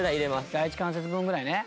第１関節分ぐらいね。